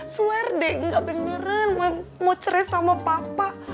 swear deh nggak beneran mau cerai sama papa